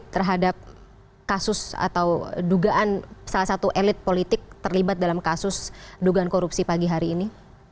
terhadap kasus atau dugaan salah satu elit politik terlibat dalam kasus dugaan korupsi pagi hari ini